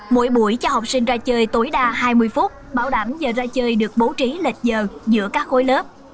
mỗi buổi cho học sinh ra chơi tối đa hai mươi phút bảo đảm giờ ra chơi được bố trí lệch giờ giữa các khối lớp